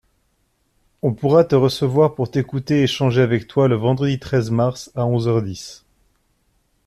On pourra te recevoir pour t’écouter et échanger avec toi le vendredi treize mars à onze heures dix.